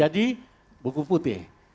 jadi buku putih